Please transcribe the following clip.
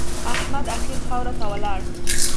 احمد اخير خاورو ته ولاړ.